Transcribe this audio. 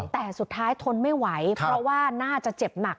แต่สุดท้ายทนไม่ไหวเพราะว่าน่าจะเจ็บหนัก